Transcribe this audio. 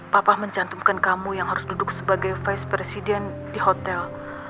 papa mencantumkan kamu yang harus duduk sebagai vice president di hotel